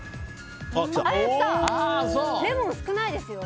レモン、少ないですよ。